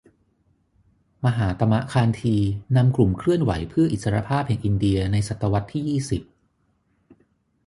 มหาตมะ คานธีนำกลุ่มเคลื่อนไหวเพื่ออิสรภาพแห่งอินเดียในศตวรรษที่ยี่สิบ